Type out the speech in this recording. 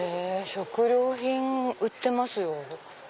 食料品売ってますよ。